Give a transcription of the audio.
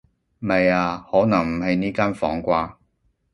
未啊，可能唔喺呢間房啩